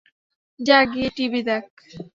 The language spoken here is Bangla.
যা গিয়ে টিভি দেখ।